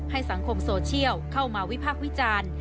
สังคมโซเชียลเข้ามาวิพากษ์วิจารณ์